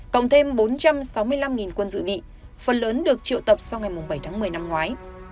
cộng thêm bốn trăm sáu mươi năm quân dự bị phần lớn được triệu tập sau ngày bảy tháng một mươi năm ngoái